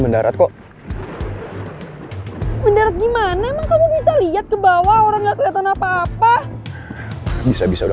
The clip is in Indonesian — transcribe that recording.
mendarat kok mendarat gimana emang kamu bisa lihat ke bawah orang enggak kelihatan apa apa bisa bisa udah